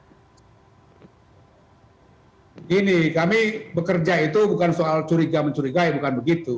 begini kami bekerja itu bukan soal curiga mencurigai bukan begitu